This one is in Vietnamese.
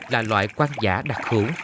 là loại quang giả đặc hữu